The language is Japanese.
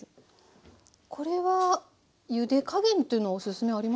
これはゆで加減というのはおすすめありますか？